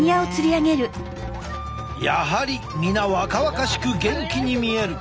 やはり皆若々しく元気に見える。